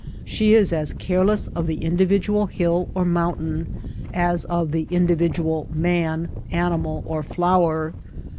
She is as careless of the individual hill or moun tain as of the individual man, animal, or flower.